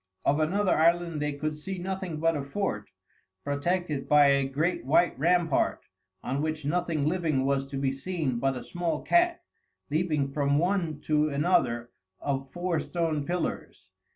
Of another island they could see nothing but a fort, protected by a great white rampart, on which nothing living was to be seen but a small cat, leaping from one to another of four stone pillars.